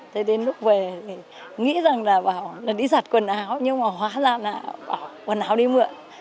thế đến lúc về thì nghĩ rằng là bảo là đi giặt quần áo nhưng mà hóa là quần áo đi mượn